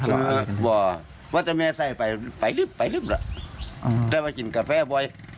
อาจจะถึงขนทางแล้ว